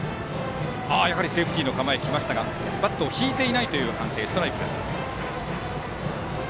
やはりセーフティーの構えですがバットを引いていないという判定でストライク。